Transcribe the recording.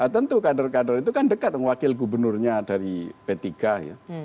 tentu kader kader itu kan dekat wakil gubernurnya dari p tiga ya